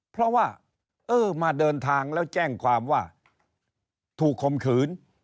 เพราะว่าเออมาเดินทางแล้วแจ้งความว่าถูกคมขืน